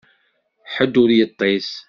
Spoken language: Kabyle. Ḥedd ur yeṭṭis.